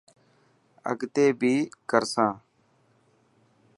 اگتي بي ڪرسان.